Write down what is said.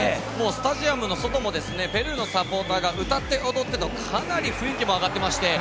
スタジアムの外もペルーのサポーターが歌って踊ってのかなり雰囲気も上がってまして